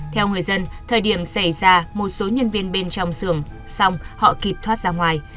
theo người dân thời điểm xảy ra một số nhân viên bên trong xưởng xong họ kịp thoát ra ngoài